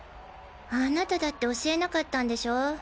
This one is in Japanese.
あなただって教えなかったんでしょ。